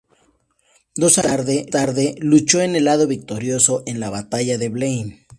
Dos años más tarde, luchó en el lado victorioso en la batalla de Blenheim.